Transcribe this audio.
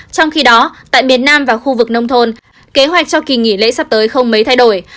trong khi đó tại miền nam và khu vực nông thôn kế hoạch cho kỳ nghỉ lễ sắp tới không mấy thay đổi